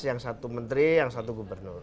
yang satu menteri yang satu gubernur